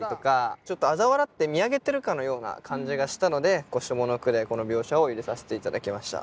あざ笑って見上げてるかのような感じがしたので下の句でこの描写を入れさせて頂きました。